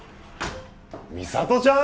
美里ちゃん？